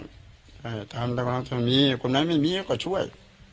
เออใช่โยมใช่ใช่ทำตามกำหลังที่มีคนไหนไม่มีก็ช่วย